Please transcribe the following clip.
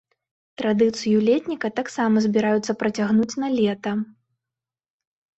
Традыцыю летніка таксама збіраюцца працягнуць налета.